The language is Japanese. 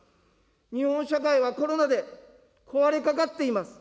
日本社会はコロナで壊れかかっています。